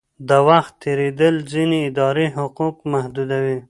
د وخت تېرېدل ځینې اداري حقوق محدودوي.